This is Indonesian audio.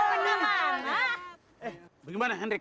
eh bagaimana hendrik